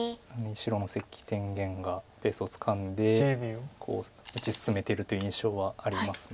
白の関天元がペースをつかんで打ち進めてるという印象はあります。